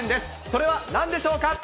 それはなんでしょうか。